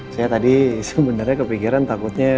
saya tadi sebenarnya kepikiran takutnya